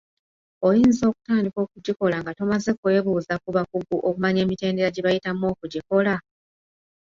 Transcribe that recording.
Oyinza okutandika okugikola nga tomaze kwebuuza ku bakugu okumanya emitendera gye bayitamu okugikola?